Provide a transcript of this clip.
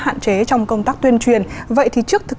hạn chế trong công tác tuyên truyền vậy thì trước thực